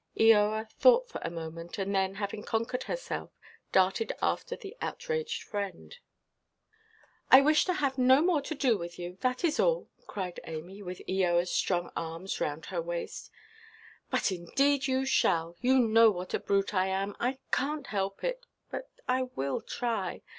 Eoa thought for a moment, and then, having conquered herself, darted after the outraged friend. "I wish to have no more to do with you. That is all," cried Amy, with Eoaʼs strong arms round her waist. "But, indeed, you shall. You know what a brute I am. I canʼt help it; but I will try.